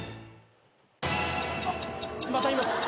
あっまたいます。